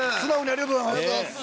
ありがとうございます。